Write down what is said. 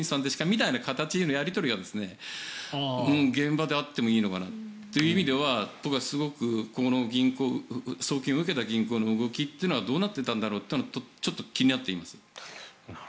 みたいな形でのやり取りが現場であってもいいのかなという意味では僕はすごくこの送金を受けた銀行の動きはどうなっていたんだろうとちょっと気になっています。